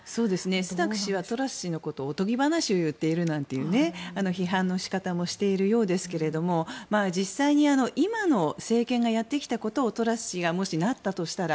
スナク氏はトラス氏のことをおとぎ話を言っているなんていう批判の仕方もしているようですが実際に今の政権がやってきたことをトラス氏がもしなったとしたら